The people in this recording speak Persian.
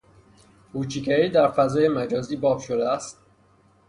هوچیگری در فضای مجازی باب شده است